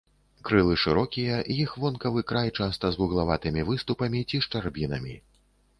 Крылы шырокія, іх вонкавы край часта з вуглаватымі выступамі ці шчарбінамі.